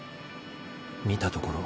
見たところ